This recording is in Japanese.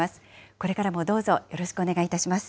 これからもどうぞよろしくお願いいたします。